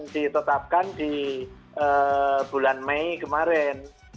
ditetapkan di bulan mei kemarin